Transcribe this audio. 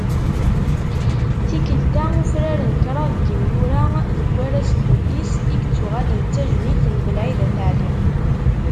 Tikkelt-a, ufraren kraḍ n yimyura deg warraz n tullist i yettuɣalen d tajmilt n Belɛid At Ɛli.